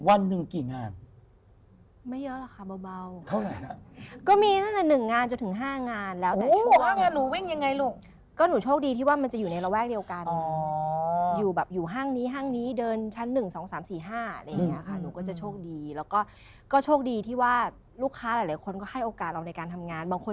วันหนึ่งกี่งาน